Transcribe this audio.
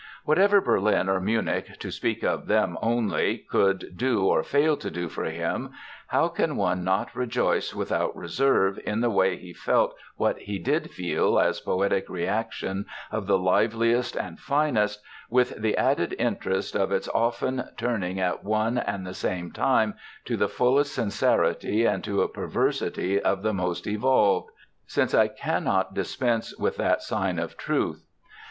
Whatever Berlin or Munich, to speak of them only, could do or fail to do for him, how can one not rejoice without reserve in the way he felt what he did feel as poetic reaction of the liveliest and finest, with the added interest of its often turning at one and the same time to the fullest sincerity and to a perversity of the most "evolved"? since I can not dispense with that sign of truth.